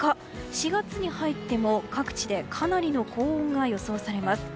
４月に入っても、各地でかなりの高温が予想されます。